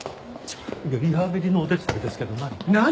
リハビリのお手伝いですけど何か？